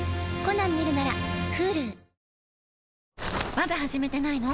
まだ始めてないの？